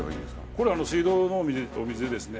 これ水道のお水でですね